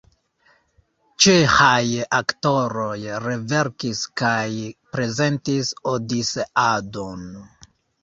Ĉeĥaj aktoroj reverkis kaj prezentis Odiseadon.